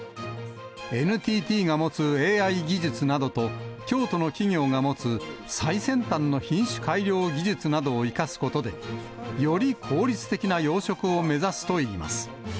ＮＴＴが持つＡＩ技術などと、京都の企業が持つ最先端の品種改良技術などを生かすことで、より効率的な養殖を目指すといいます。